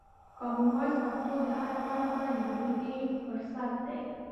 کامن وایس پښتو د هر افغان لپاره د بې بېلګې فرصت دی.